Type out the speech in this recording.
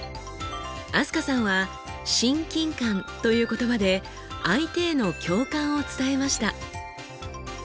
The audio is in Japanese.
飛鳥さんは「親近感」という言葉で相手への共感を伝えました。